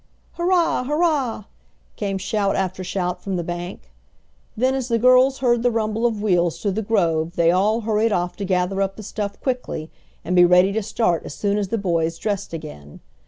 "Hurrah, hurrah!" came shout after shout from the bank. Then as the girls heard the rumble of wheels through the grove they all hurried off to gather up the stuff quickly, and be ready to start as soon as the boys dressed again.